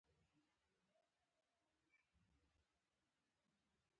• صبر کوه، ځکه چې هره توره شپه روڼ سهار لري.